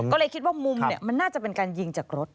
ก็เลยคิดว่ามุมมันน่าจะเป็นการยิงจากรถ